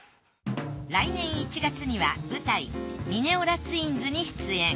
来年１月には舞台『ミネオラ・ツインズ』に出演。